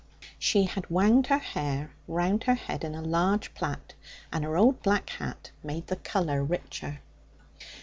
She had wound her hair round her head in a large plait and her old black hat made the colour richer.